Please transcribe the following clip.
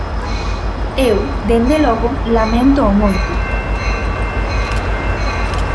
Eu, dende logo, laméntoo moito.